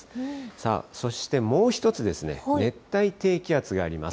さあ、そしてもう一つ、熱帯低気圧があります。